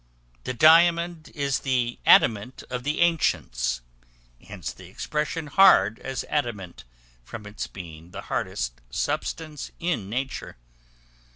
The diamond is the Adamant of the ancients; hence the expression "hard as adamant," from its being the hardest substance in nature.